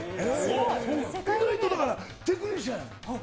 意外とだからテクニシャンやねん。